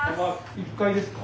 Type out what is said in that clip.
１階ですか？